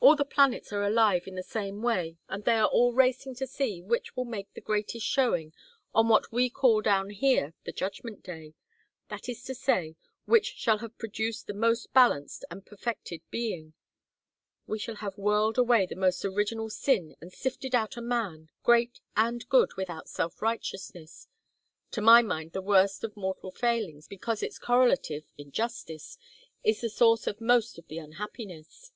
All the planets are alive in the same way, and they are all racing to see which will make the greatest showing on what we call down here the Judgment Day that is to say, which shall have produced the most balanced and perfected being; which shall have whirled away the most original sin and sifted out a man, great and good without self righteousness to my mind the worst of mortal failings because its correlative, injustice, is the source of most of the unhappiness.